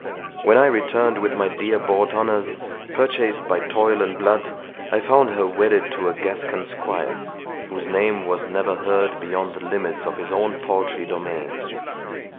—When I returned with my dear bought honours, purchased by toil and blood, I found her wedded to a Gascon squire, whose name was never heard beyond the limits of his own paltry domain!